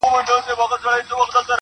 دادی بیا نمک پاسي ده، پر زخمونو د ځپلو